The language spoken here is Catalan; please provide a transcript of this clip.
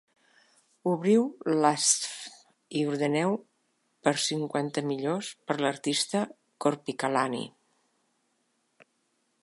Obriu Lastfm i ordeneu pels cinquanta-millors per l'artista Korpiklaani.